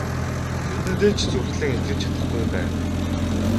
Нүдэндээ ч зүрхлэн итгэж чадахгүй байна.